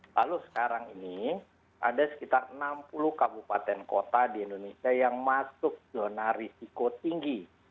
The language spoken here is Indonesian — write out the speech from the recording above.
lalu sekarang ini ada sekitar enam puluh kabupaten kota di indonesia yang masuk zona risiko tinggi